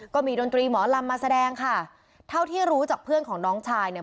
ก็มีดนตรีหมอลำมาแสดงค่ะเท่าที่รู้จากเพื่อนของน้องชายเนี่ย